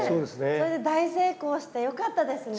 それで大成功してよかったですね。